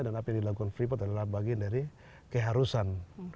dan apa yang dilakukan free pod adalah bagian dari keharusan